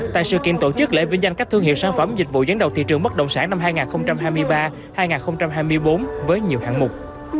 tại sự kiện tổ chức lễ vinh danh các thương hiệu sản phẩm dịch vụ gián đầu thị trường bất động sản năm hai nghìn hai mươi ba hai nghìn hai mươi bốn với nhiều hạng mục